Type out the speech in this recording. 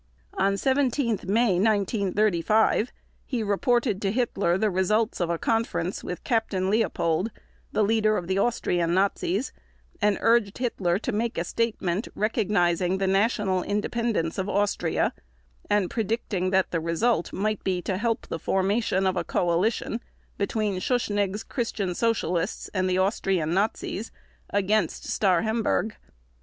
On 17 May 1935 he reported to Hitler the results of a conference with Captain Leopold, the leader of the Austrian Nazis, and urged Hitler to make a statement recognizing the national independence of Austria, and predicting that the result might be to help the formation of a coalition between Schuschnigg's Christian Socialists and the Austrian Nazis against Starhemberg.